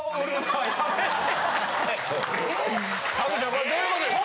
これどういうことですか？